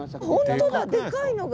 本当だでかいのが。